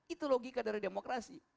itu logika dari demokrasi